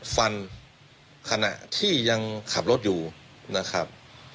ฟันขณะที่ยังขับรถอยู่นะครับ